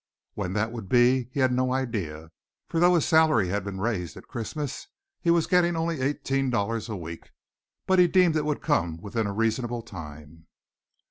When that would be, he had no idea, for though his salary had been raised at Christmas he was getting only eighteen dollars a week; but he deemed it would come within a reasonable time.